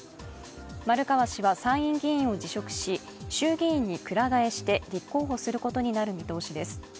丸川氏は参院議員を辞職し、衆議院にくら替えして立候補することになる見通しです。